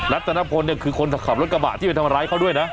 ัตนพลเนี่ยคือคนขับรถกระบะที่ไปทำร้ายเขาด้วยนะ